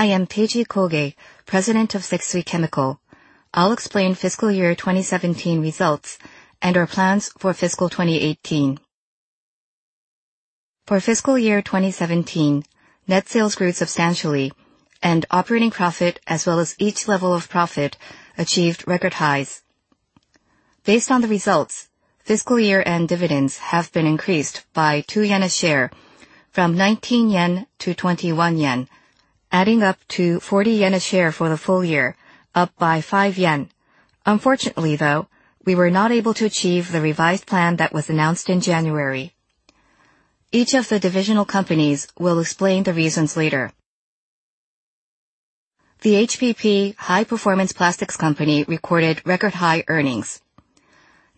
I am Teiji Koge, President of Sekisui Chemical. I'll explain FY 2017 results and our plans for FY 2018. For FY 2017, net sales grew substantially and operating profit, as well as each level of profit, achieved record highs. Based on the results, fiscal year-end dividends have been increased by 2 yen a share from 19 yen to 21 yen, adding up to 40 yen a share for the full year, up by 5 yen. Unfortunately, though, we were not able to achieve the revised plan that was announced in January. Each of the divisional companies will explain the reasons later. The HPP, High Performance Plastics Company, recorded record-high earnings.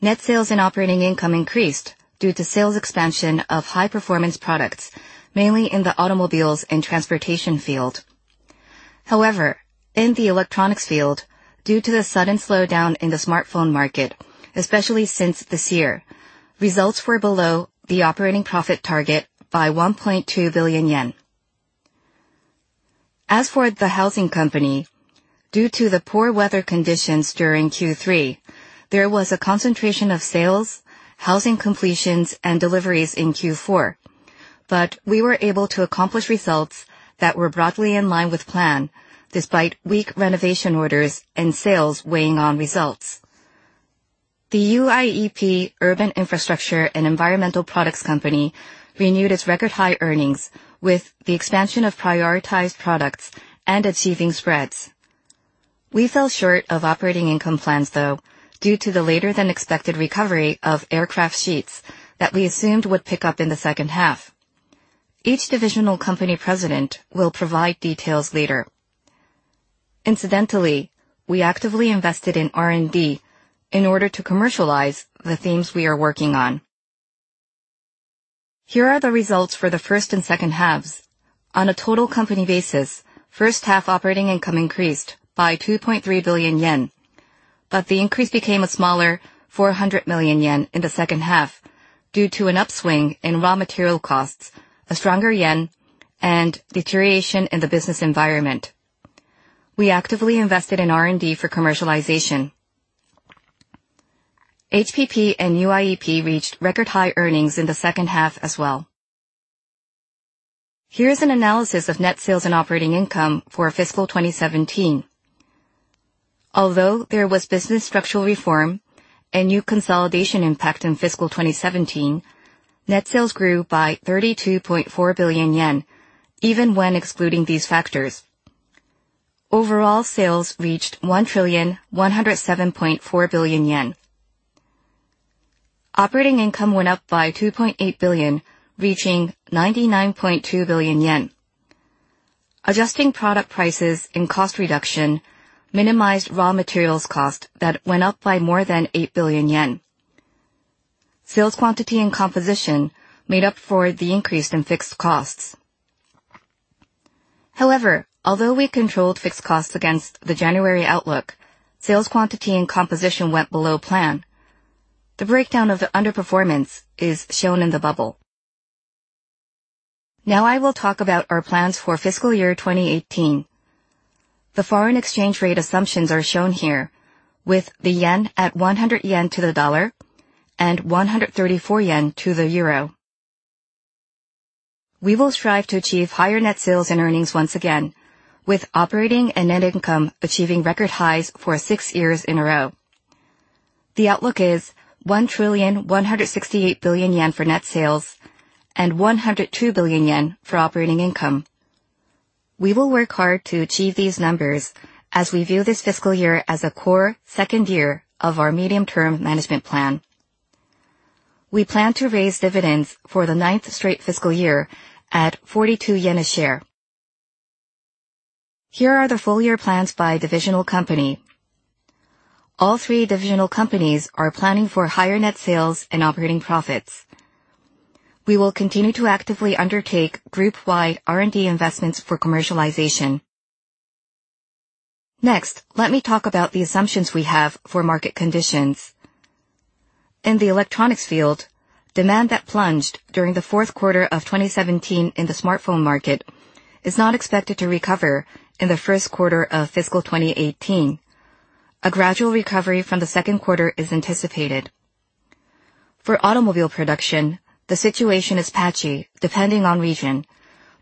Net sales and operating income increased due to sales expansion of high-performance products, mainly in the automobiles and transportation field. In the electronics field, due to the sudden slowdown in the smartphone market, especially since this year, results were below the operating profit target by 1.2 billion yen. As for the Housing Company, due to the poor weather conditions during Q3, there was a concentration of sales, housing completions, and deliveries in Q4. We were able to accomplish results that were broadly in line with plan despite weak renovation orders and sales weighing on results. The UIEP, Urban Infrastructure & Environmental Products Company, renewed its record-high earnings with the expansion of prioritized products and achieving spreads. We fell short of operating income plans, though, due to the later than expected recovery of aircraft sheets that we assumed would pick up in the second half. Each divisional company president will provide details later. Incidentally, we actively invested in R&D in order to commercialize the themes we are working on. Here are the results for the first and second halves. On a total company basis, first-half operating income increased by 2.3 billion yen, but the increase became a smaller 400 million yen in the second half due to an upswing in raw material costs, a stronger yen, and deterioration in the business environment. We actively invested in R&D for commercialization. HPP and UIEP reached record-high earnings in the second half as well. Here's an analysis of net sales and operating income for FY 2017. There was business structural reform and new consolidation impact in FY 2017, net sales grew by 32.4 billion yen even when excluding these factors. Overall, sales reached 1,107.4 billion JPY. Operating income went up by 2.8 billion JPY, reaching 99.2 billion yen. Adjusting product prices and cost reduction minimized raw materials cost that went up by more than 8 billion yen. Sales quantity and composition made up for the increase in fixed costs. Although we controlled fixed costs against the January outlook, sales quantity and composition went below plan. The breakdown of the underperformance is shown in the bubble. I will talk about our plans for FY 2018. The foreign exchange rate assumptions are shown here with the yen at 100 yen to the USD and 134 JPY to the EUR. We will strive to achieve higher net sales and earnings once again with operating and net income achieving record highs for 6 years in a row. The outlook is 1,168 billion yen for net sales and 102 billion yen for operating income. We will work hard to achieve these numbers as we view this fiscal year as a core second year of our medium-term management plan. We plan to raise dividends for the ninth straight fiscal year at 42 yen a share. Here are the full year plans by divisional company. All three divisional companies are planning for higher net sales and operating profits. We will continue to actively undertake group-wide R&D investments for commercialization. Next, let me talk about the assumptions we have for market conditions. In the electronics field, demand that plunged during the fourth quarter of 2017 in the smartphone market is not expected to recover in the first quarter of fiscal 2018. A gradual recovery from the second quarter is anticipated. For automobile production, the situation is patchy depending on region,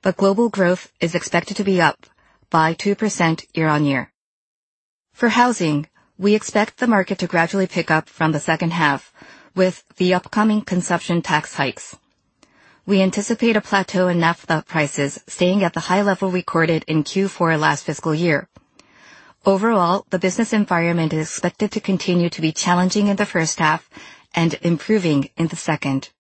but global growth is expected to be up by 2% year-on-year. For housing, we expect the market to gradually pick up from the second half with the upcoming consumption tax hikes. We anticipate a plateau in naphtha prices staying at the high level recorded in Q4 last fiscal year. Overall, the business environment is expected to continue to be challenging in the first half and improving in the second.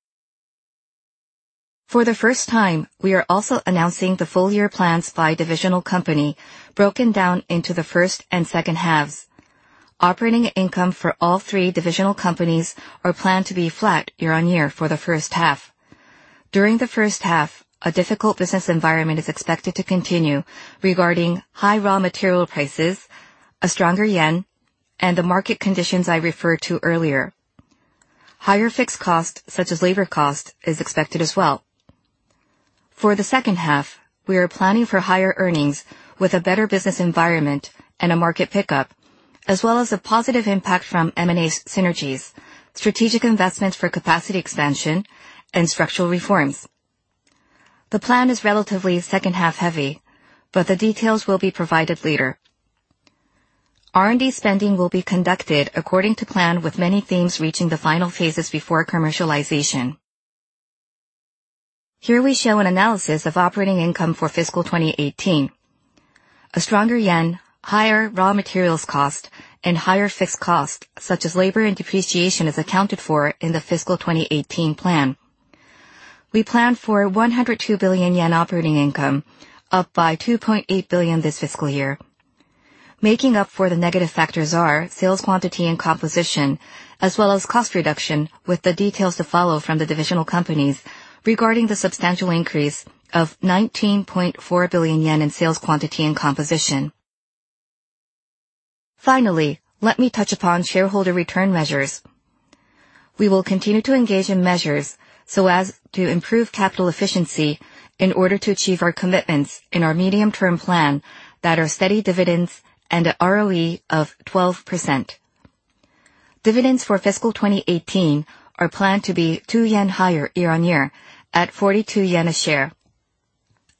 For the first time, we are also announcing the full-year plans by divisional company broken down into the first and second halves. Operating income for all three divisional companies are planned to be flat year-on-year for the first half. During the first half, a difficult business environment is expected to continue regarding high raw material prices, a stronger yen, and the market conditions I referred to earlier. Higher fixed cost, such as labor cost, is expected as well. For the second half, we are planning for higher earnings with a better business environment and a market pickup, as well as a positive impact from M&A synergies, strategic investment for capacity expansion, and structural reforms. The plan is relatively second-half heavy, but the details will be provided later. R&D spending will be conducted according to plan with many themes reaching the final phases before commercialization. Here we show an analysis of operating income for fiscal 2018. A stronger yen, higher raw materials cost, and higher fixed cost, such as labor and depreciation, is accounted for in the fiscal 2018 plan. We plan for 102 billion yen operating income, up by 2.8 billion this fiscal year. Making up for the negative factors are sales quantity and composition, as well as cost reduction, with the details to follow from the divisional companies regarding the substantial increase of 19.4 billion yen in sales quantity and composition. Finally, let me touch upon shareholder return measures. We will continue to engage in measures so as to improve capital efficiency in order to achieve our commitments in our medium-term plan that are steady dividends and a ROE of 12%. Dividends for fiscal 2018 are planned to be 2 yen higher year-on-year at 42 yen a share.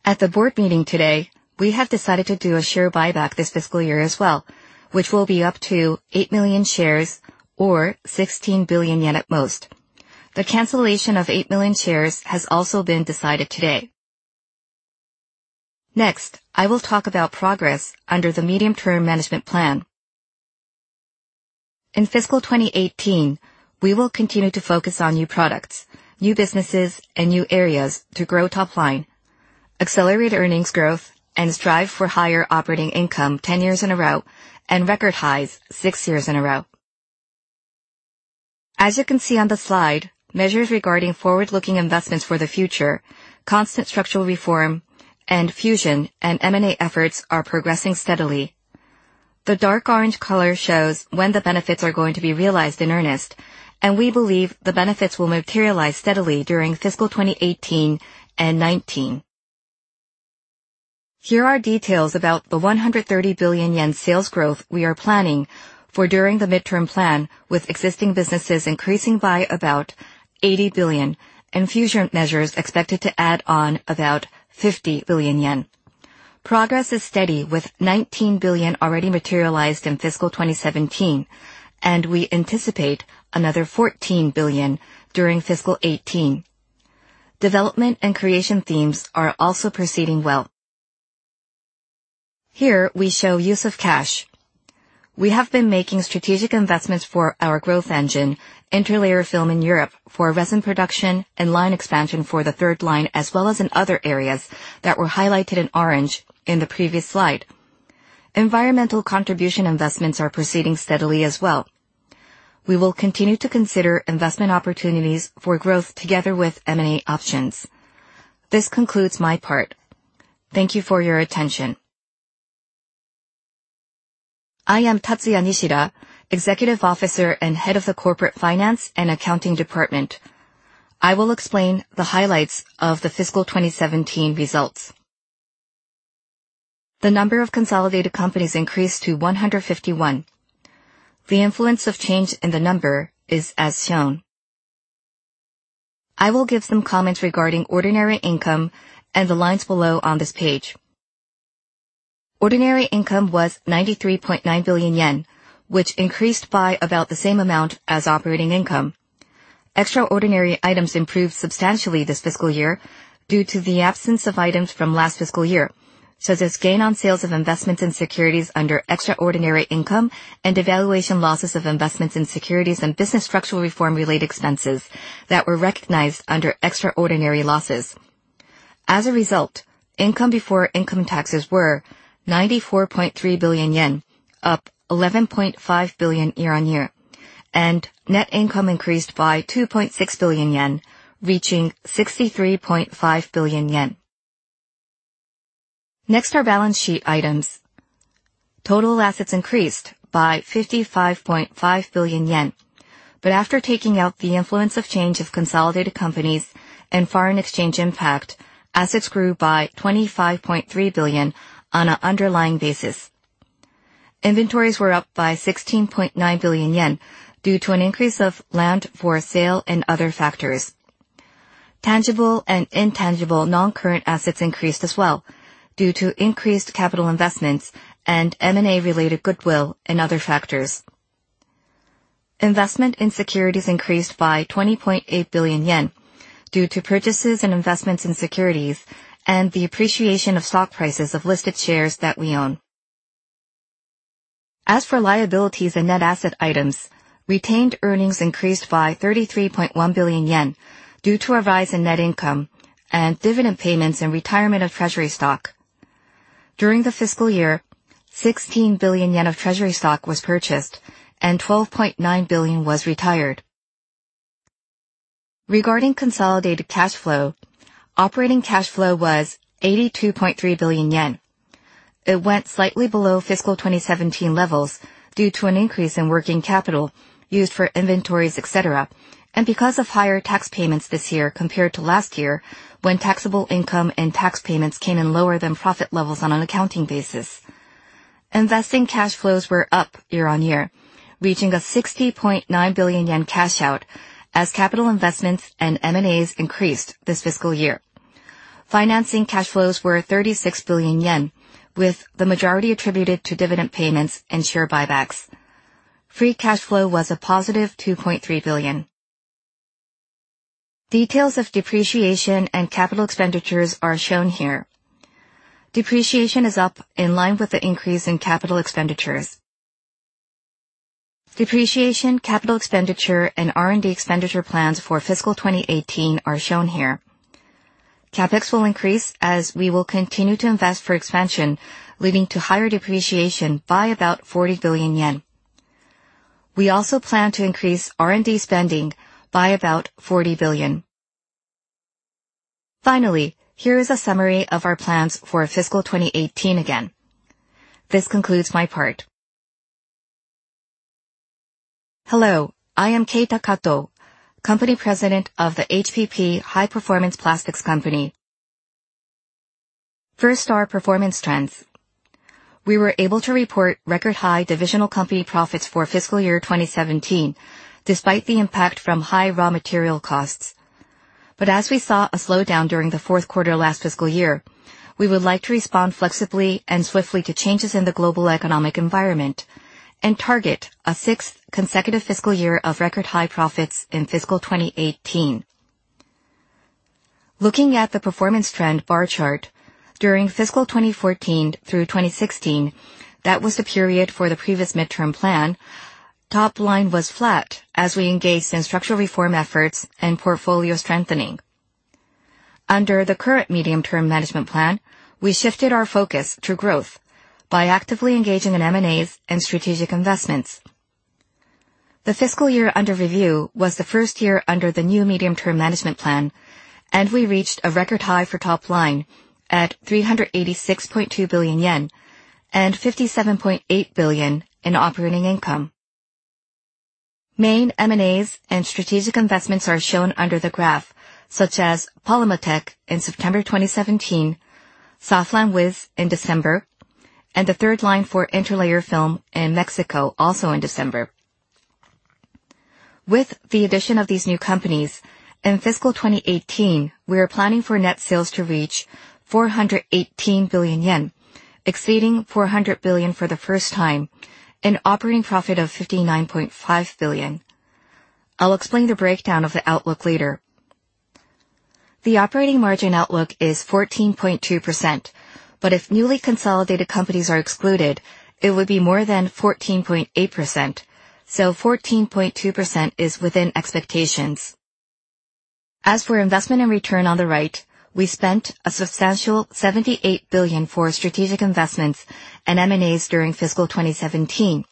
At the board meeting today, we have decided to do a share buyback this fiscal year as well, which will be up to 8 million shares or 16 billion yen at most. The cancellation of 8 million shares has also been decided today. Next, I will talk about progress under the medium-term management plan. In fiscal 2018, we will continue to focus on new products, new businesses, and new areas to grow top line, accelerate earnings growth, and strive for higher operating income 10 years in a row and record highs six years in a row. As you can see on the slide, measures regarding forward-looking investments for the future, constant structural reform, and fusion and M&A efforts are progressing steadily. The dark orange color shows when the benefits are going to be realized in earnest, and we believe the benefits will materialize steadily during fiscal 2018 and 2019. Here are details about the 130 billion yen sales growth we are planning for during the midterm plan, with existing businesses increasing by about 80 billion and fusion measures expected to add on about 50 billion yen. Progress is steady with 19 billion already materialized in fiscal 2017, and we anticipate another 14 billion during fiscal 2018. Development and creation themes are also proceeding well. Here, we show use of cash. We have been making strategic investments for our growth engine, interlayer film in Europe for resin production and line expansion for the third line, as well as in other areas that were highlighted in orange in the previous slide. Environmental contribution investments are proceeding steadily as well. We will continue to consider investment opportunities for growth together with M&A options. This concludes my part. Thank you for your attention. I am Tatsuya Nishida, Executive Officer and Head of the Corporate Finance and Accounting Department. I will explain the highlights of the fiscal 2017 results. The number of consolidated companies increased to 151. The influence of change in the number is as shown. I will give some comments regarding ordinary income and the lines below on this page. Ordinary income was 93.9 billion yen, which increased by about the same amount as operating income. Extraordinary items improved substantially this fiscal year due to the absence of items from last fiscal year, such as gain on sales of investments in securities under extraordinary income and devaluation losses of investments in securities and business structural reform-related expenses that were recognized under extraordinary losses. As a result, income before income taxes were 94.3 billion yen, up 11.5 billion year-on-year. Net income increased by 2.6 billion yen, reaching 63.5 billion yen. Next, our balance sheet items. Total assets increased by 55.5 billion yen. After taking out the influence of change of consolidated companies and foreign exchange impact, assets grew by 25.3 billion on an underlying basis. Inventories were up by 16.9 billion yen due to an increase of land for sale and other factors. Tangible and intangible non-current assets increased as well due to increased capital investments and M&A-related goodwill and other factors. Investment in securities increased by 20.8 billion yen due to purchases in investments in securities and the appreciation of stock prices of listed shares that we own. As for liabilities and net asset items, retained earnings increased by 33.1 billion yen due to a rise in net income and dividend payments and retirement of treasury stock. During the fiscal year, 16 billion yen of treasury stock was purchased and 12.9 billion was retired. Regarding consolidated cash flow, operating cash flow was 82.3 billion yen. It went slightly below fiscal 2017 levels due to an increase in working capital used for inventories, et cetera, and because of higher tax payments this year compared to last year, when taxable income and tax payments came in lower than profit levels on an accounting basis. Investing cash flows were up year-on-year, reaching a 60.9 billion yen cash out as capital investments and M&As increased this fiscal year. Financing cash flows were 36 billion yen, with the majority attributed to dividend payments and share buybacks. Free cash flow was a positive 2.3 billion. Details of depreciation and capital expenditures are shown here. Depreciation is up in line with the increase in capital expenditures. Depreciation, capital expenditure, and R&D expenditure plans for fiscal 2018 are shown here. CapEx will increase as we will continue to invest for expansion, leading to higher depreciation by about 40 billion yen. We also plan to increase R&D spending by about 40 billion. Finally, here is a summary of our plans for fiscal 2018 again. This concludes my part. Hello, I am Keita Kato, Company President of the HPP, High Performance Plastics Company. First, our performance trends. We were able to report record high divisional company profits for fiscal year 2017, despite the impact from high raw material costs. As we saw a slowdown during the fourth quarter last fiscal year, we would like to respond flexibly and swiftly to changes in the global economic environment and target a sixth consecutive fiscal year of record-high profits in fiscal 2018. Looking at the performance trend bar chart, during fiscal 2014 through 2016, that was the period for the previous midterm plan, top line was flat as we engaged in structural reform efforts and portfolio strengthening. Under the current medium-term management plan, we shifted our focus to growth by actively engaging in M&As and strategic investments. The fiscal year under review was the first year under the new medium-term management plan. We reached a record high for top line at 386.2 billion yen and 57.8 billion in operating income. Main M&As and strategic investments are shown under the graph, such as Polymatech in September 2017, Soflan Wiz in December, and the third line for interlayer film in Mexico also in December. With the addition of these new companies, in fiscal 2018, we are planning for net sales to reach 418 billion yen, exceeding 400 billion for the first time, an operating profit of 59.5 billion. I'll explain the breakdown of the outlook later. The operating margin outlook is 14.2%, but if newly consolidated companies are excluded, it would be more than 14.8%, so 14.2% is within expectations. As for investment and return on the right, we spent a substantial 78 billion for strategic investments and M&As during fiscal 2017.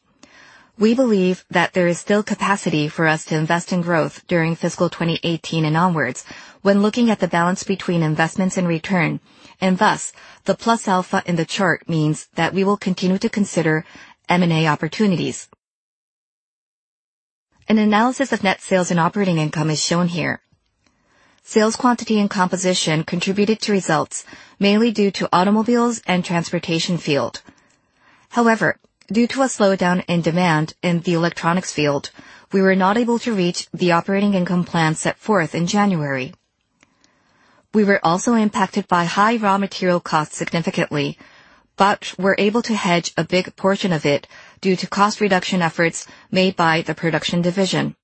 We believe that there is still capacity for us to invest in growth during fiscal 2018 and onwards when looking at the balance between investments and return. Thus, the plus alpha in the chart means that we will continue to consider M&A opportunities. An analysis of net sales and operating income is shown here. Sales quantity and composition contributed to results mainly due to automobiles and transportation field. Due to a slowdown in demand in the electronics field, we were not able to reach the operating income plan set forth in January. We were also impacted by high raw material costs significantly, were able to hedge a big portion of it due to cost reduction efforts made by the production division.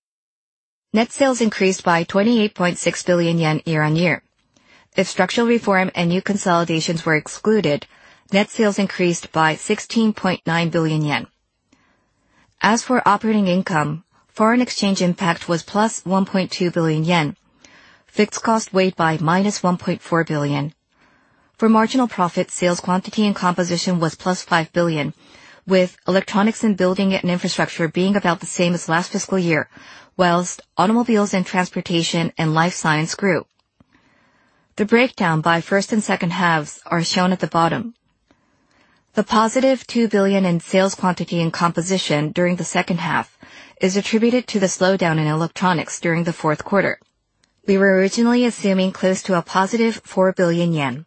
Net sales increased by 28.6 billion yen year-on-year. If structural reform and new consolidations were excluded, net sales increased by 16.9 billion yen. As for operating income, foreign exchange impact was plus 1.2 billion yen. Fixed cost weighed by minus 1.4 billion. For marginal profit, sales quantity and composition was plus 5 billion, with electronics and building and infrastructure being about the same as last fiscal year, whilst automobiles and transportation and life science grew. The breakdown by first and second halves are shown at the bottom. The positive 2 billion in sales quantity and composition during the second half is attributed to the slowdown in electronics during the fourth quarter. We were originally assuming close to a positive 4 billion yen.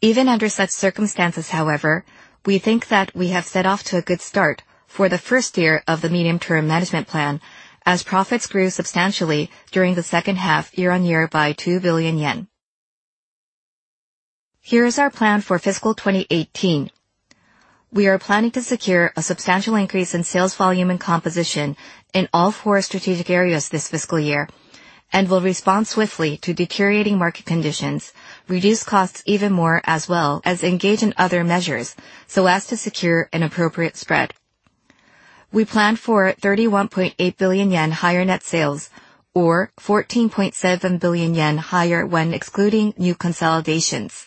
Even under such circumstances, however, we think that we have set off to a good start for the first year of the medium-term management plan, as profits grew substantially during the second half, year-on-year by 2 billion yen. Here is our plan for FY 2018. We are planning to secure a substantial increase in sales volume and composition in all four strategic areas this fiscal year and will respond swiftly to deteriorating market conditions, reduce costs even more, as well as engage in other measures so as to secure an appropriate spread. We plan for 31.8 billion yen higher net sales or 14.7 billion yen higher when excluding new consolidations.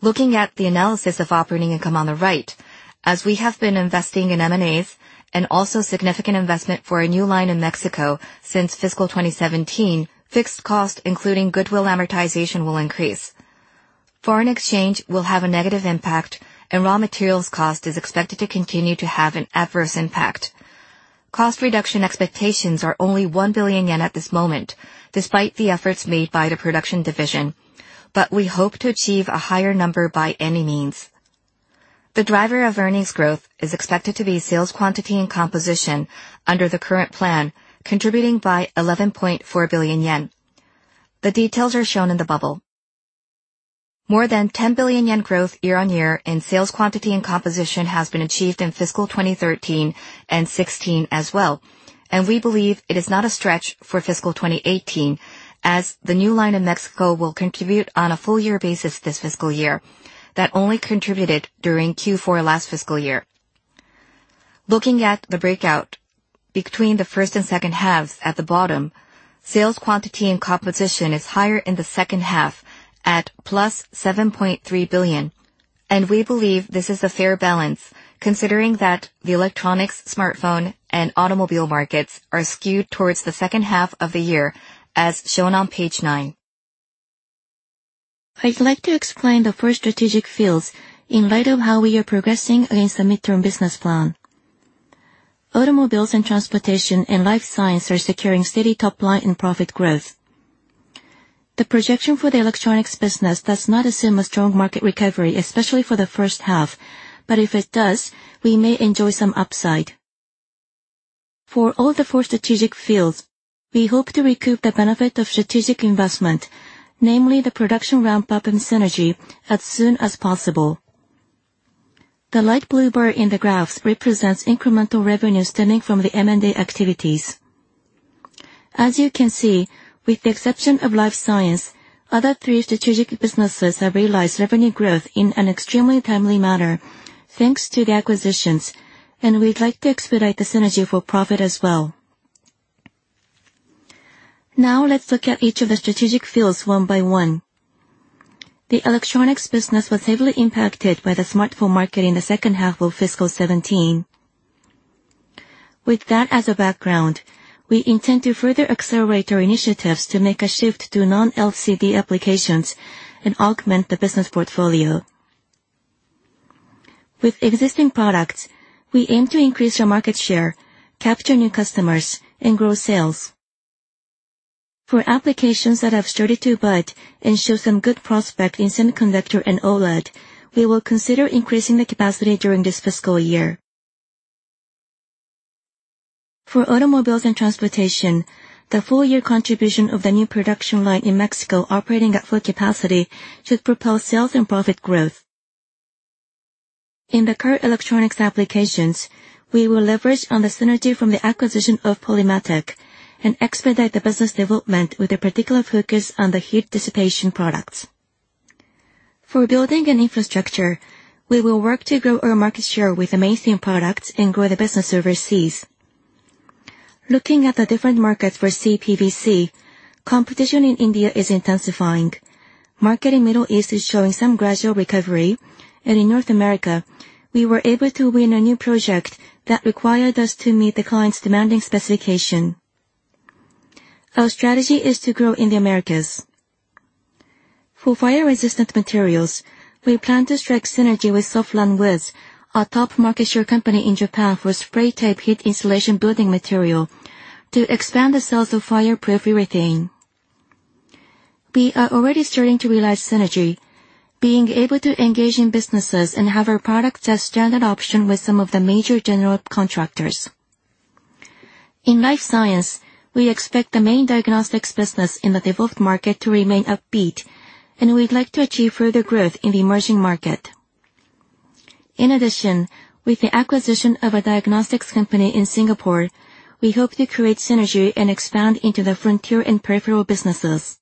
Looking at the analysis of operating income on the right, as we have been investing in M&As and also significant investment for a new line in Mexico since FY 2017, fixed cost, including goodwill amortization, will increase. Foreign exchange will have a negative impact, and raw materials cost is expected to continue to have an adverse impact. Cost reduction expectations are only 1 billion yen at this moment, despite the efforts made by the production division, but we hope to achieve a higher number by any means. The driver of earnings growth is expected to be sales quantity and composition under the current plan, contributing by 11.4 billion yen. The details are shown in the bubble. More than 10 billion yen growth year-on-year in sales quantity and composition has been achieved in FY 2013 and FY 2016 as well, and we believe it is not a stretch for FY 2018, as the new line in Mexico will contribute on a full year basis this fiscal year, that only contributed during Q4 last fiscal year. Looking at the breakout between the first and second halves at the bottom, sales quantity and composition is higher in the second half at plus 7.3 billion. We believe this is a fair balance considering that the electronics, smartphone, and automobile markets are skewed towards the second half of the year, as shown on page nine. I'd like to explain the four strategic fields in light of how we are progressing against the midterm business plan. Automobiles and transportation and life science are securing steady top line and profit growth. The projection for the electronics business does not assume a strong market recovery, especially for the first half. If it does, we may enjoy some upside. For all the four strategic fields, we hope to recoup the benefit of strategic investment, namely the production ramp-up and synergy as soon as possible. The light blue bar in the graphs represents incremental revenue stemming from the M&A activities. As you can see, with the exception of life science, other three strategic businesses have realized revenue growth in an extremely timely manner thanks to the acquisitions, and we'd like to expedite the synergy for profit as well. Let's look at each of the strategic fields one by one. The electronics business was heavily impacted by the smartphone market in the second half of fiscal 2017. With that as a background, we intend to further accelerate our initiatives to make a shift to non-LCD applications and augment the business portfolio. With existing products, we aim to increase our market share, capture new customers, and grow sales. For applications that have started to bud and show some good prospect in semiconductor and OLED, we will consider increasing the capacity during this fiscal year. For automobiles and transportation, the full year contribution of the new production line in Mexico operating at full capacity should propel sales and profit growth. In the current electronics applications, we will leverage on the synergy from the acquisition of Polymatech and expedite the business development with a particular focus on the heat dissipation products. For building and infrastructure, we will work to grow our market share with amazing products and grow the business overseas. Looking at the different markets for CPVC, competition in India is intensifying. Market in Middle East is showing some gradual recovery. In North America, we were able to win a new project that required us to meet the client's demanding specification. Our strategy is to grow in the Americas. For fire-resistant materials, we plan to strike synergy with Soflan Wiz, a top market share company in Japan for spray tape heat insulation building material to expand the sale of fireproof urethane. We are already starting to realize synergy, being able to engage in businesses and have our product as standard option with some of the major general contractors. In life science, we expect the main diagnostics business in the developed market to remain upbeat, and we'd like to achieve further growth in the emerging market. In addition, with the acquisition of a diagnostics company in Singapore, we hope to create synergy and expand into the frontier and peripheral businesses.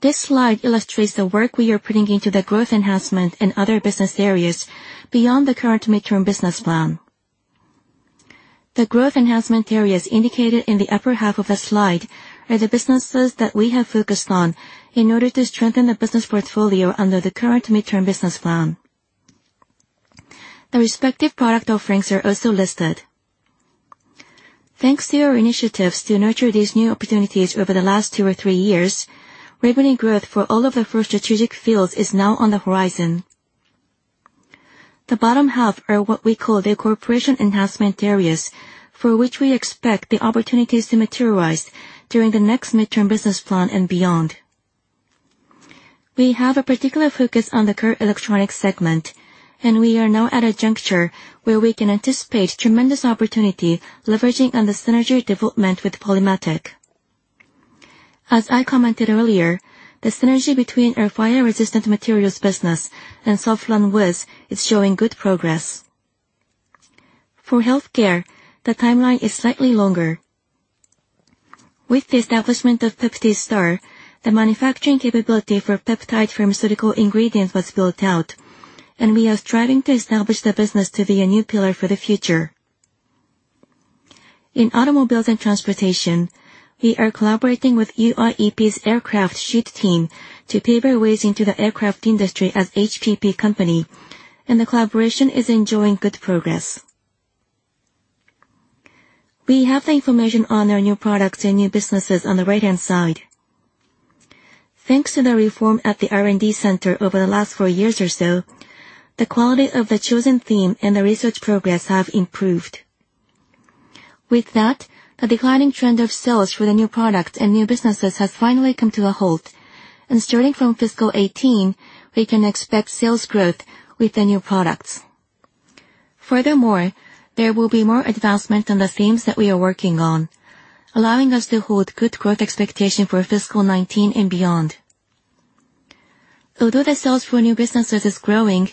This slide illustrates the work we are putting into the growth enhancement in other business areas beyond the current midterm business plan. The growth enhancement areas indicated in the upper half of the slide are the businesses that we have focused on in order to strengthen the business portfolio under the current midterm business plan. The respective product offerings are also listed. Thanks to our initiatives to nurture these new opportunities over the last two or three years, revenue growth for all of the four strategic fields is now on the horizon. The bottom half are what we call the corporation enhancement areas, for which we expect the opportunities to materialize during the next midterm business plan and beyond. We have a particular focus on the current electronic segment. We are now at a juncture where we can anticipate tremendous opportunity leveraging on the synergy development with Polymatech. As I commented earlier, the synergy between our fire-resistant materials business and Soflan Wiz is showing good progress. For healthcare, the timeline is slightly longer. With the establishment of PeptiStar, the manufacturing capability for peptide pharmaceutical ingredients was built out, and we are striving to establish the business to be a new pillar for the future. In automobiles and transportation, we are collaborating with UIEP's aircraft sheet team to pave our ways into the aircraft industry as HPP Company, and the collaboration is enjoying good progress. We have the information on our new products and new businesses on the right-hand side. Thanks to the reform at the R&D center over the last four years or so, the quality of the chosen theme and the research progress have improved. With that, the declining trend of sales for the new product and new businesses has finally come to a halt. Starting from fiscal 2018, we can expect sales growth with the new products. Furthermore, there will be more advancement on the themes that we are working on, allowing us to hold good growth expectation for fiscal 2019 and beyond. Although the sales for new businesses is growing,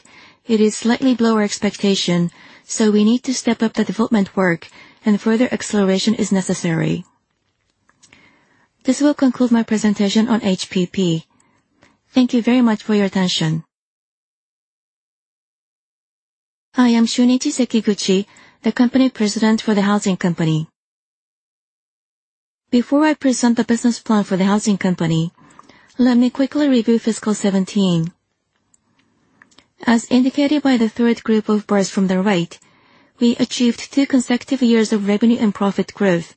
it is slightly below our expectation, so we need to step up the development work and further acceleration is necessary. This will conclude my presentation on HPP. Thank you very much for your attention. I am Shunichi Sekiguchi, the Company President for the Housing Company. Before I present the business plan for the Housing Company, let me quickly review fiscal 2017. As indicated by the third group of bars from the right, we achieved two consecutive years of revenue and profit growth,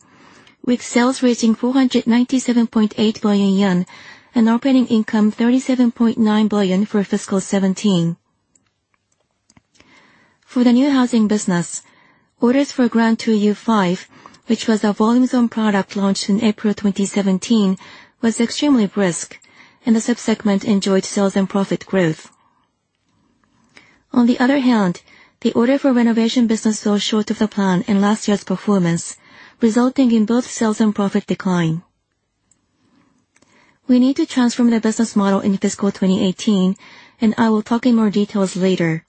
with sales reaching 497.8 billion yen and operating income 37.9 billion for fiscal 2017. For the new housing business, orders for Grand To You V, which was a volume zone product launched in April 2017, was extremely brisk, and the sub-segment enjoyed sales and profit growth. On the other hand, the order for renovation business fell short of the plan in last year's performance, resulting in both sales and profit decline. We need to transform the business model in fiscal 2018. I will talk in more details later.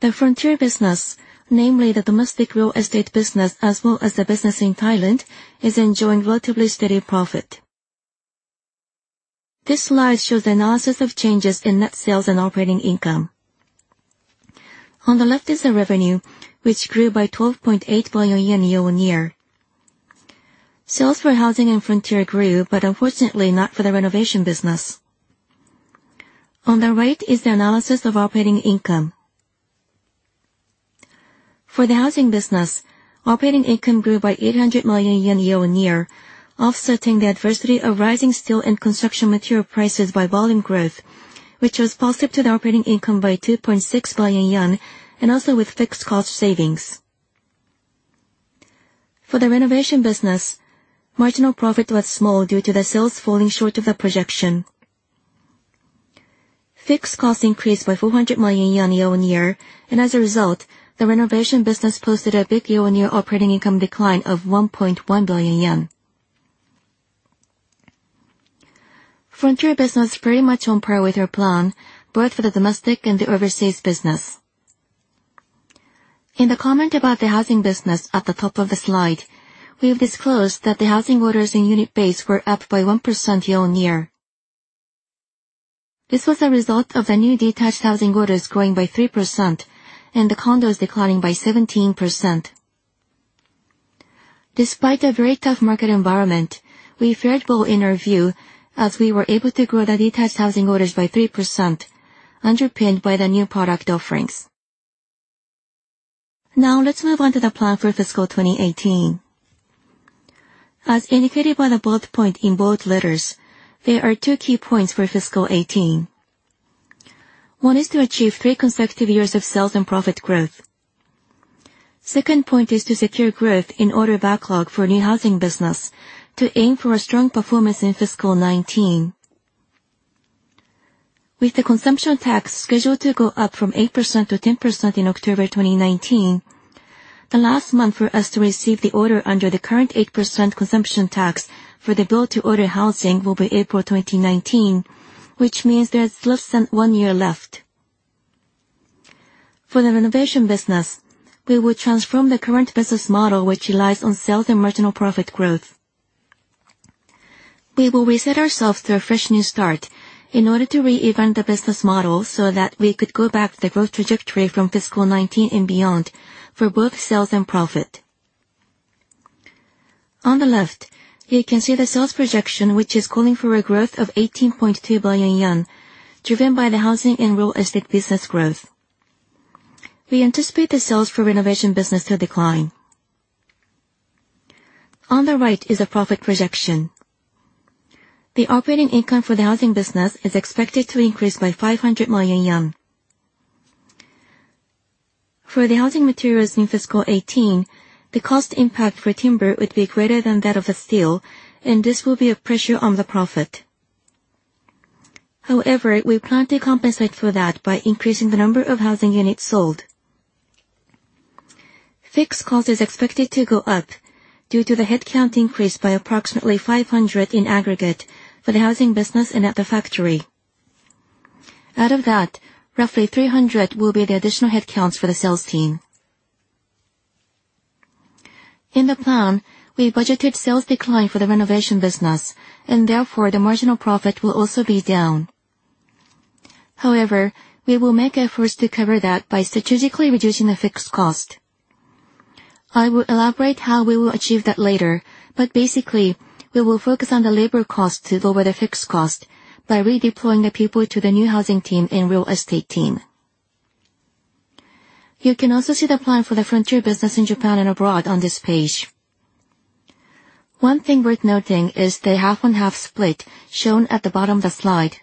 The frontier business, namely the domestic real estate business as well as the business in Thailand, is enjoying relatively steady profit. This slide shows the analysis of changes in net sales and operating income. On the left is the revenue, which grew by 12.8 billion yen year-on-year. Sales for housing and frontier grew, but unfortunately not for the renovation business. On the right is the analysis of operating income. For the housing business, operating income grew by 800 million yen year-on-year, offsetting the adversity of rising steel and construction material prices by volume growth, which was positive to the operating income by 2.6 billion yen. Also with fixed cost savings. For the renovation business, marginal profit was small due to the sales falling short of the projection. Fixed costs increased by 400 million yen year-on-year. As a result, the renovation business posted a big year-on-year operating income decline of 1.1 billion yen. Frontier business very much on par with our plan, both for the domestic and the overseas business. In the comment about the housing business at the top of the slide, we have disclosed that the housing orders in unit base were up by 1% year-on-year. This was a result of the new detached housing orders growing by 3% and the condos declining by 17%. Despite the very tough market environment, we fared well in our view as we were able to grow the detached housing orders by 3%, underpinned by the new product offerings. Let's move on to the plan for fiscal 2018. As indicated by the bullet point in bold letters, there are two key points for fiscal 2018. One is to achieve three consecutive years of sales and profit growth. Second point is to secure growth in order backlog for new housing business to aim for a strong performance in fiscal 2019. With the consumption tax scheduled to go up from 8% to 10% in October 2019, the last month for us to receive the order under the current 8% consumption tax for the build-to-order housing will be April 2019, which means there is less than one year left. For the renovation business, we will transform the current business model, which relies on sales and marginal profit growth. We will reset ourselves through a fresh new start in order to reinvent the business model so that we could go back to the growth trajectory from fiscal 2019 and beyond for both sales and profit. On the left, you can see the sales projection, which is calling for a growth of JPY 18.2 billion, driven by the housing and real estate business growth. We anticipate the sales for renovation business to decline. On the right is a profit projection. The operating income for the housing business is expected to increase by 500 million yen. For the housing materials in fiscal 2018, the cost impact for timber would be greater than that of the steel, and this will be a pressure on the profit. However, we plan to compensate for that by increasing the number of housing units sold. Fixed cost is expected to go up due to the headcount increase by approximately 500 in aggregate for the housing business and at the factory. Out of that, roughly 300 will be the additional headcounts for the sales team. In the plan, we budgeted sales decline for the renovation business, and therefore, the marginal profit will also be down. However, we will make efforts to cover that by strategically reducing the fixed cost. I will elaborate how we will achieve that later, but basically, we will focus on the labor cost to lower the fixed cost by redeploying the people to the new housing team and real estate team. You can also see the plan for the frontier business in Japan and abroad on this page. One thing worth noting is the half and half split shown at the bottom of the slide.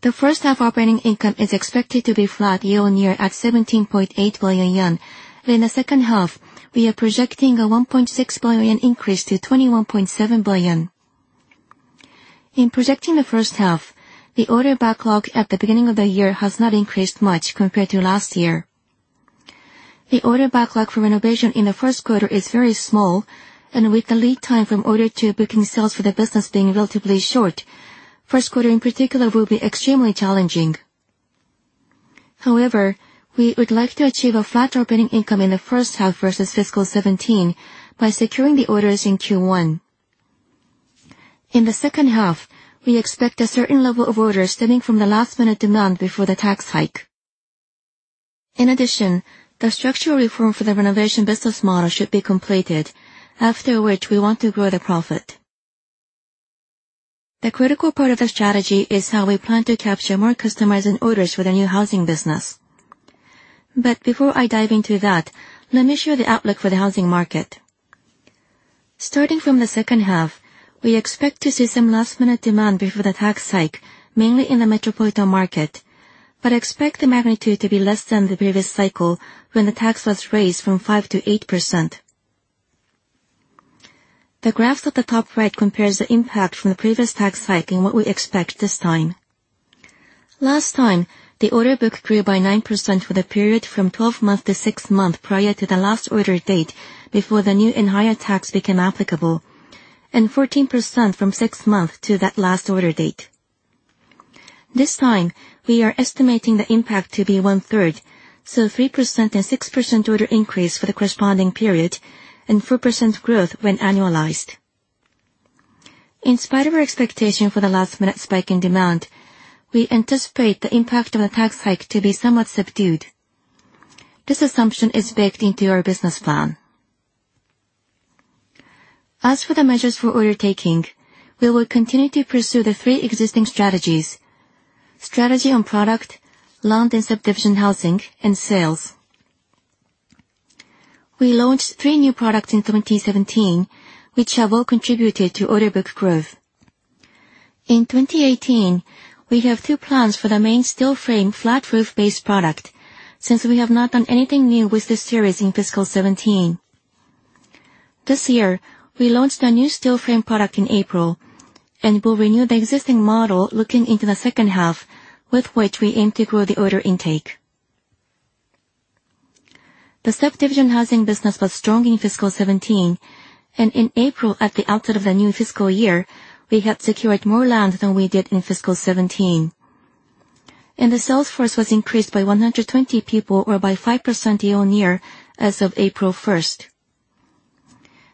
The first half operating income is expected to be flat year-on-year at 17.8 billion yen. In the second half, we are projecting a 1.6 billion yen increase to 21.7 billion. In projecting the first half, the order backlog at the beginning of the year has not increased much compared to last year. The order backlog for renovation in the first quarter is very small, and with the lead time from order to booking sales for the business being relatively short, first quarter in particular will be extremely challenging. However, we would like to achieve a flat operating income in the first half versus fiscal 2017 by securing the orders in Q1. In the second half, we expect a certain level of orders stemming from the last-minute demand before the tax hike. In addition, the structural reform for the renovation business model should be completed, after which we want to grow the profit. The critical part of the strategy is how we plan to capture more customizing orders for the new housing business. Before I dive into that, let me share the outlook for the housing market. Starting from the second half, we expect to see some last-minute demand before the tax hike, mainly in the metropolitan market, but expect the magnitude to be less than the previous cycle when the tax was raised from 5% to 8%. The graph at the top right compares the impact from the previous tax hike and what we expect this time. Last time, the order book grew by 9% for the period from 12 months to six months prior to the last order date before the new and higher tax became applicable, and 14% from six months to that last order date. This time, we are estimating the impact to be one-third, so 3% and 6% order increase for the corresponding period and 4% growth when annualized. In spite of our expectation for the last-minute spike in demand, we anticipate the impact of the tax hike to be somewhat subdued. This assumption is baked into our business plan. As for the measures for order taking, we will continue to pursue the three existing strategies. Strategy on product, land and subdivision housing, and sales. We launched three new products in 2017, which have all contributed to order book growth. In 2018, we have two plans for the main steel frame flat roof-based product since we have not done anything new with this series in fiscal 2017. This year, we launched a new steel frame product in April and will renew the existing model looking into the second half, with which we aim to grow the order intake. The subdivision housing business was strong in fiscal 2017, and in April at the outset of the new fiscal year, we had secured more land than we did in fiscal 2017. The sales force was increased by 120 people or by 5% year-on-year as of April 1st.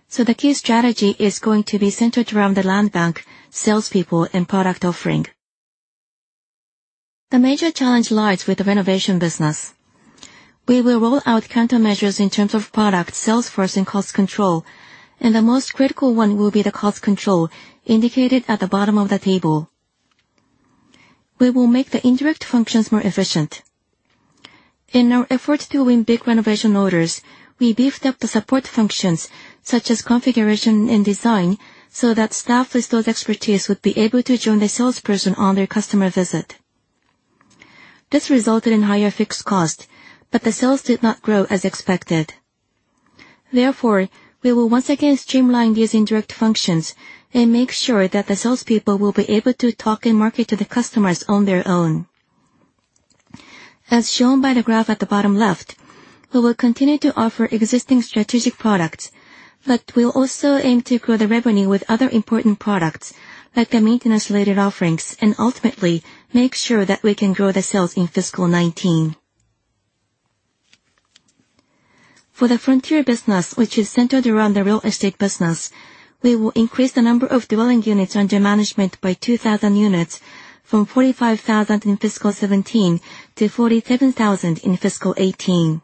The key strategy is going to be centered around the land bank, salespeople, and product offering. The major challenge lies with the renovation business. We will roll out countermeasures in terms of product, sales force, and cost control, and the most critical one will be the cost control indicated at the bottom of the table. We will make the indirect functions more efficient. In our effort to win big renovation orders, we beefed up the support functions such as configuration and design so that staff with those expertise would be able to join the salesperson on their customer visit. This resulted in higher fixed cost, the sales did not grow as expected. Therefore, we will once again streamline these indirect functions and make sure that the salespeople will be able to talk and market to the customers on their own. As shown by the graph at the bottom left, we will continue to offer existing strategic products, but we'll also aim to grow the revenue with other important products like the maintenance-related offerings, and ultimately make sure that we can grow the sales in fiscal 2019. For the frontier business, which is centered around the real estate business, we will increase the number of dwelling units under management by 2,000 units from 45,000 in fiscal 2017 to 47,000 in fiscal 2018.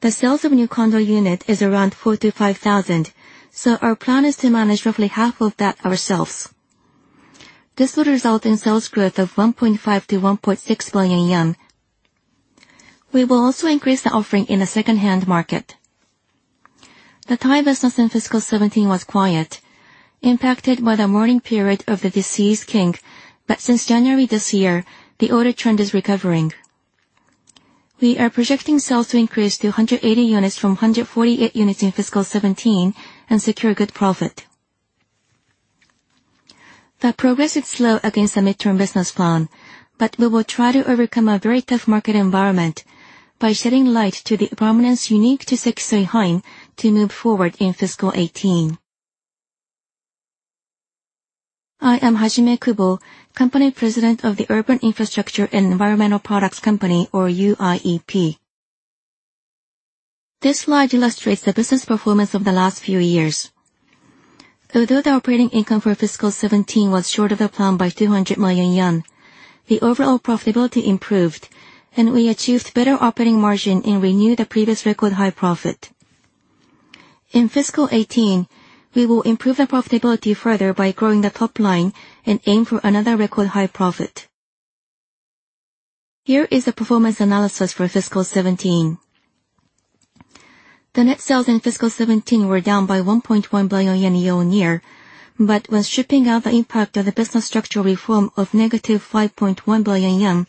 The sales of new condo unit is around 4,000 to 5,000, our plan is to manage roughly half of that ourselves. This would result in sales growth of 1.5 billion-1.6 billion yen. We will also increase the offering in the secondhand market. The Thai business in fiscal 2017 was quiet, impacted by the mourning period of the deceased king. Since January this year, the order trend is recovering. We are projecting sales to increase to 180 units from 148 units in fiscal 2017 and secure good profit. The progress is slow against the midterm business plan, we will try to overcome a very tough market environment by shedding light to the prominence unique to Sekisui Heim to move forward in fiscal 2018. I am Hajime Kubo, Company President of the Urban Infrastructure and Environmental Products Company, or UIEP. This slide illustrates the business performance over the last few years. Although the operating income for fiscal 2017 was short of the plan by 200 million yen, the overall profitability improved, and we achieved better operating margin and renewed the previous record high profit. In fiscal 2018, we will improve the profitability further by growing the top line and aim for another record high profit. Here is the performance analysis for fiscal 2017. The net sales in fiscal 2017 were down by 1.1 billion yen year-over-year. When stripping out the impact of the business structural reform of negative 5.1 billion yen,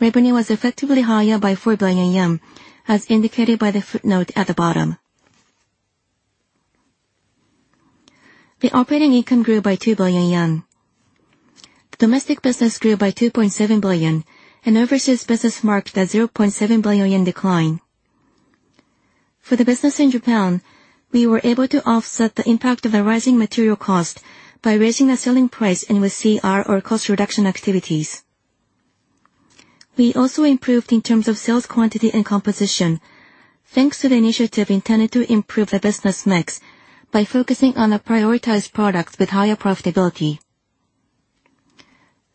revenue was effectively higher by 4 billion yen, as indicated by the footnote at the bottom. The operating income grew by 2 billion yen. Domestic business grew by 2.7 billion and overseas business marked a 0.7 billion yen decline. For the business in Japan, we were able to offset the impact of the rising material cost by raising the selling price and with CR, or cost reduction activities. We also improved in terms of sales quantity and composition, thanks to the initiative intended to improve the business mix by focusing on the prioritized products with higher profitability.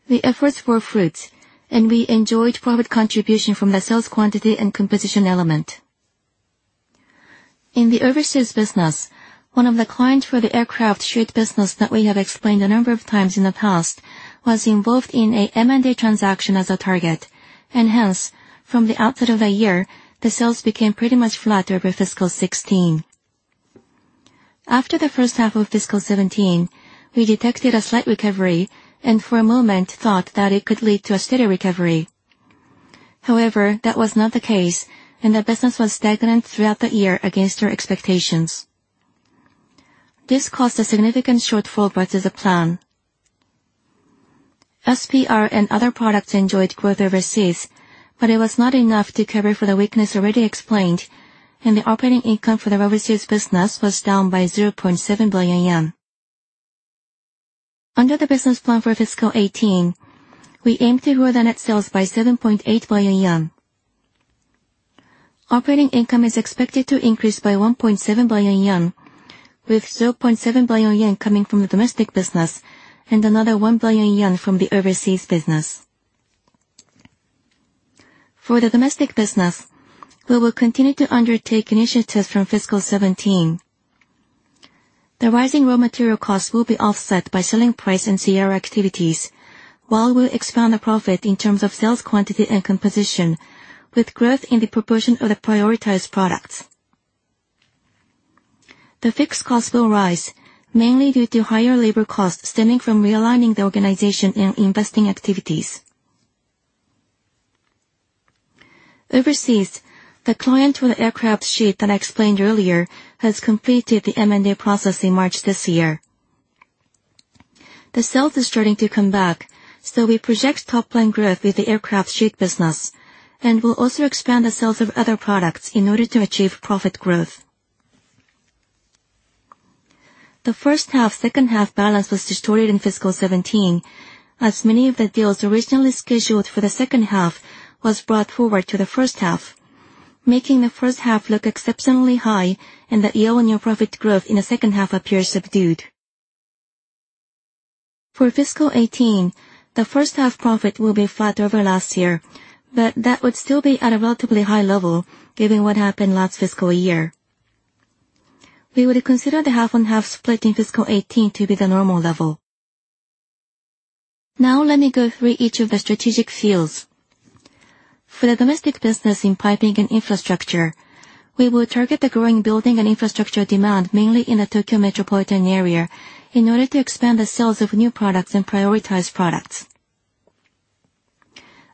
The efforts bore fruit, we enjoyed profit contribution from the sales quantity and composition element. In the overseas business, one of the clients for the aircraft sheet business that we have explained a number of times in the past was involved in a M&A transaction as a target, hence, from the outset of the year, the sales became pretty much flat over fiscal 2016. After the first half of fiscal 2017, we detected a slight recovery and for a moment thought that it could lead to a steady recovery. That was not the case, the business was stagnant throughout the year against our expectations. This caused a significant shortfall versus the plan. SPR and other products enjoyed growth overseas, but it was not enough to cover for the weakness already explained, the operating income for the overseas business was down by 0.7 billion yen. Under the business plan for FY 2018, we aim to grow the net sales by 7.8 billion yen. Operating income is expected to increase by 1.7 billion yen, with 0.7 billion yen coming from the domestic business and another 1 billion yen from the overseas business. For the domestic business, we will continue to undertake initiatives from FY 2017. The rising raw material costs will be offset by selling price and CR activities, while we'll expand the profit in terms of sales quantity and composition with growth in the proportion of the prioritized products. The fixed costs will rise mainly due to higher labor costs stemming from realigning the organization and investing activities. Overseas, the client with aircraft sheet that I explained earlier has completed the M&A process in March this year. The sales is starting to come back, we project top-line growth with the aircraft sheet business and will also expand the sales of other products in order to achieve profit growth. The first half, second half balance was distorted in FY 2017, as many of the deals originally scheduled for the second half was brought forward to the first half, making the first half look exceptionally high and the year-on-year profit growth in the second half appear subdued. For FY 2018, the first half profit will be flat over last year, that would still be at a relatively high level given what happened last FY. We would consider the half-on-half split in FY 2018 to be the normal level. Let me go through each of the strategic fields. For the domestic business in piping and infrastructure, we will target the growing building and infrastructure demand mainly in the Tokyo metropolitan area in order to expand the sales of new products and prioritize products.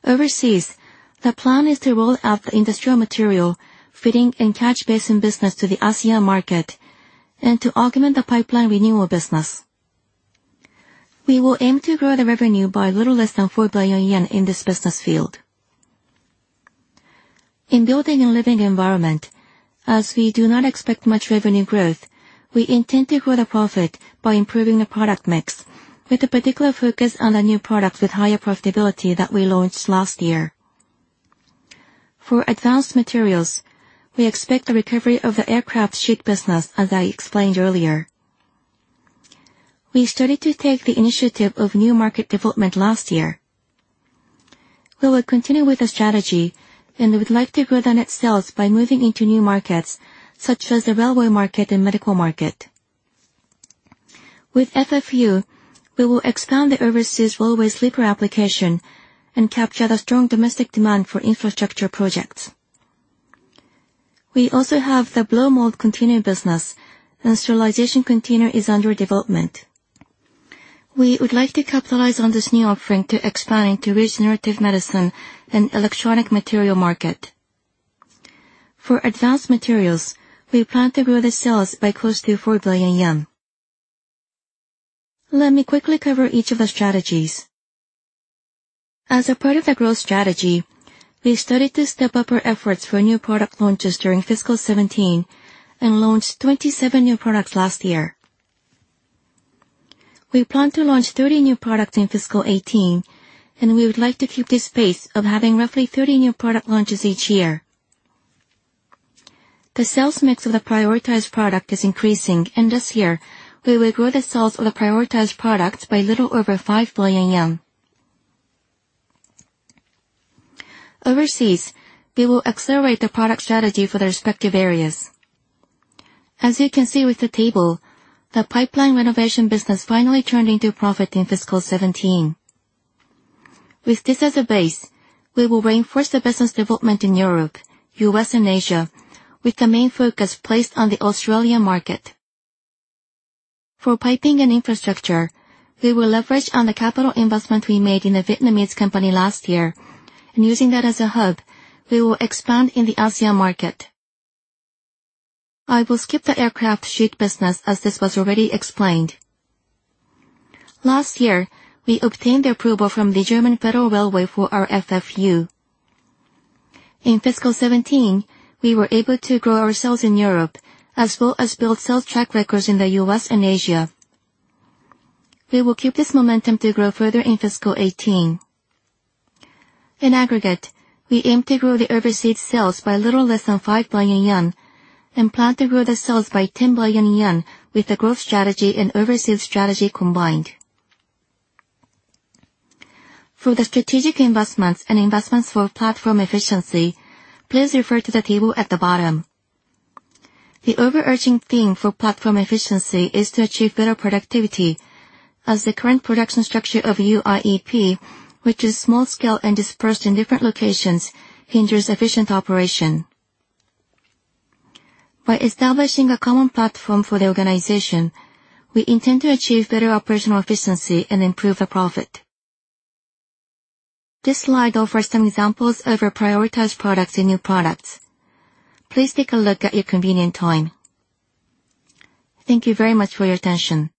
Overseas, the plan is to roll out the industrial material fitting and catch basin business to the ASEAN market and to augment the pipeline renewal business. We will aim to grow the revenue by a little less than 4 billion yen in this business field. In building and living environment, we do not expect much revenue growth, we intend to grow the profit by improving the product mix with a particular focus on the new products with higher profitability that we launched last year. For advanced materials, we expect the recovery of the aircraft sheet business, as I explained earlier. We started to take the initiative of new market development last year. We will continue with the strategy and would like to grow the net sales by moving into new markets such as the railway market and medical market. With FFU, we will expand the overseas railway sleeper application and capture the strong domestic demand for infrastructure projects. We also have the blow mold container business, and sterilization container is under development. We would like to capitalize on this new offering to expand into regenerative medicine and electronic material market. For advanced materials, we plan to grow the sales by close to 4 billion yen. Let me quickly cover each of the strategies. As a part of the growth strategy, we started to step up our efforts for new product launches during fiscal 2017 and launched 27 new products last year. We plan to launch 30 new products in fiscal 2018, and we would like to keep this pace of having roughly 30 new product launches each year. The sales mix of the prioritized product is increasing, this year we will grow the sales of the prioritized product by little over 5 billion yen. Overseas, we will accelerate the product strategy for the respective areas. As you can see with the table, the pipeline renovation business finally turned into profit in fiscal 2017. With this as a base, we will reinforce the business development in Europe, U.S., and Asia, with the main focus placed on the Australian market. For piping and infrastructure, we will leverage on the capital investment we made in a Vietnamese company last year. Using that as a hub, we will expand in the ASEAN market. I will skip the aircraft sheet business as this was already explained. Last year, we obtained the approval from the German Federal Railway for our FFU. In fiscal 2017, we were able to grow our sales in Europe as well as build sales track records in the U.S. and Asia. We will keep this momentum to grow further in fiscal 2018. In aggregate, we aim to grow the overseas sales by little less than 5 billion yen and plan to grow the sales by 10 billion yen with the growth strategy and overseas strategy combined. For the strategic investments and investments for platform efficiency, please refer to the table at the bottom. The overarching theme for platform efficiency is to achieve better productivity, as the current production structure of UIEP, which is small scale and dispersed in different locations, hinders efficient operation. By establishing a common platform for the organization, we intend to achieve better operational efficiency and improve the profit. This slide offers some examples of our prioritized products and new products. Please take a look at your convenient time. Thank you very much for your attention.